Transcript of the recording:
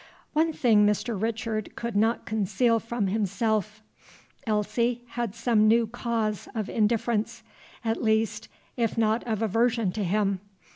One thing Mr. Richard could not conceal from himself: Elsie had some new cause of indifference, at least, if not of aversion to him.